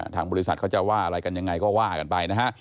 ทางบริษัทเขาจะว่าอะไรกันยังไงก็ว่ากันไปนะฮะ